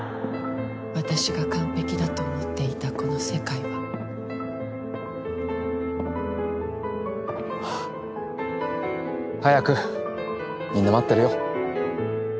私が完璧だと思っていたこの世界は早くみんな待ってるよ。